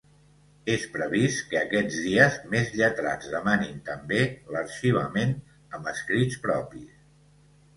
És previst que aquests dies més lletrats demanin també l’arxivament amb escrits propis.